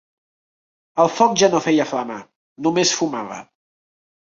El foc ja no feia flama: només fumava.